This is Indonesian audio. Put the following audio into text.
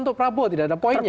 untuk prabowo tidak ada poinnya